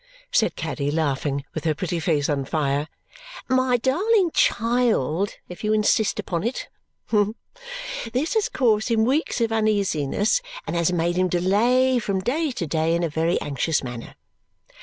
said Caddy, laughing, with her pretty face on fire. "My darling child, if you insist upon it! This has caused him weeks of uneasiness and has made him delay, from day to day, in a very anxious manner.